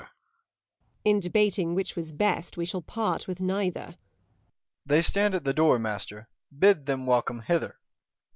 Dro. E. They stand at the door, master; bid them welcome hither.